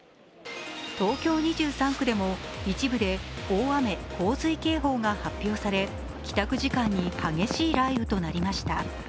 東京２３区でも一部で大雨洪水警報が発表され、帰宅時間に激しい雷雨となりました。